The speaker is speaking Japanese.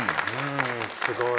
すごい。